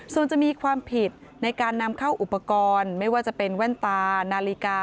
ส่วนจะมีความผิดในการนำเข้าอุปกรณ์ไม่ว่าจะเป็นแว่นตานาฬิกา